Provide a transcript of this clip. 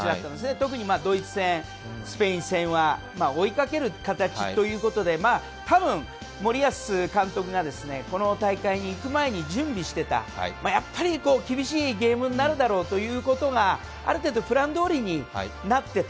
特にドイツ戦、スペイン戦は追いかける形ということで多分、森保監督がこの大会に行く前に準備していた、やっぱり厳しいゲームになるだろうということが、ある程度プランどおりになっていた。